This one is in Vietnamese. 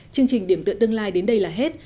chương trình điểm tượng tương lai đến đây là hết